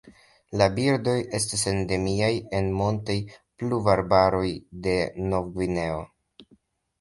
La birdoj estas endemiaj en montaj pluvarbaroj de Novgvineo.